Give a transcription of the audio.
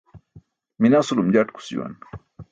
Minasulum jatkus juwan.